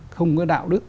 không có đạo đức